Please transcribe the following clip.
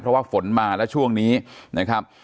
เพราะว่าฝนมาแล้วช่วงนี้นะครับ